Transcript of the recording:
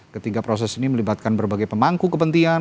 ketiga proses ini melibatkan berbagai pemangku kepentingan